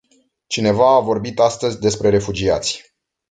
Cineva a vorbit astăzi despre refugiați.